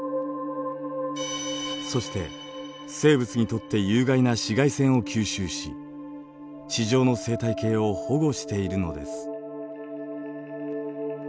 そして生物にとって有害な紫外線を吸収し地上の生態系を保護しているのです。